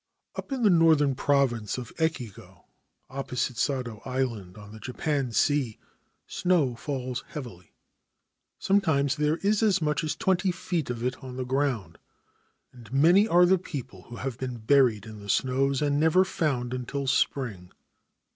Up in the northern province of Echigo, opposite Sado Island on the Japan Sea, snow falls heavily. Sometimes there is as much as twenty feet of it on the ground, and many are the people who have been buried in the snows and never found until the spring.